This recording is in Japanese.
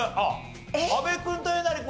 阿部君とえなり君